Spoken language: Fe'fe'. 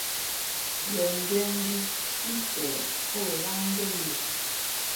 Ghen njwēn mvhī pí kweleꞌ ά wen láh ngén mbe.